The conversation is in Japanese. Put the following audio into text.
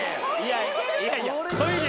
いやいや。